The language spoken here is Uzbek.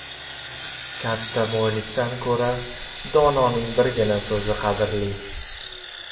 • Katta boylikdan ko‘ra dononing birgina so‘zi qadrli.